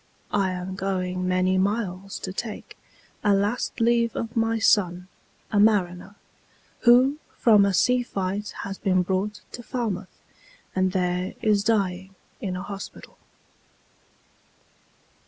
I am going many miles to take A last leave of my son, a mariner, Who from a sea fight has been brought to Falmouth, And there is dying in an hospital."